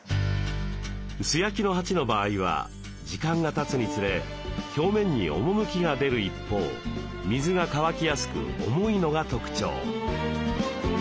素焼きの鉢の場合は時間がたつにつれ表面に趣が出る一方水が乾きやすく重いのが特徴。